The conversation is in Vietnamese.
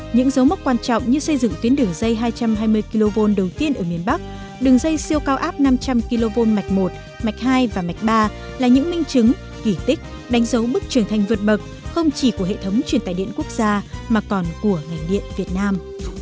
những dấu mốc quan trọng như xây dựng tuyến đường dây hai trăm hai mươi kv đầu tiên ở miền bắc đường dây siêu cao áp năm trăm linh kv mạch một mạch hai và mạch ba là những minh chứng kỷ tích đánh dấu bước truyền thanh vượt bậc không chỉ của hệ thống truyền tải điện quốc gia mà còn của ngành điện việt nam